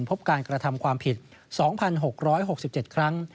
พบการกระทำความผิด๒๖๖๗ครั้ง